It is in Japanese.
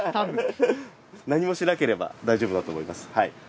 何もしなければ大丈夫だと思います。